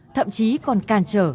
thậm chí còn càn trở